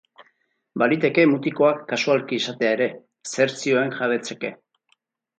Baliteke mutikoak kasualki esatea ere, zer zioen jabetzeke.